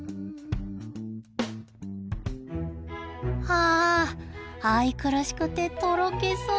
ああ愛くるしくてとろけそう。